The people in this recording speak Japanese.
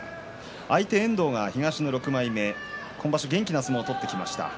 相手の遠藤は東の６枚目今場所元気な相撲を取ってきました。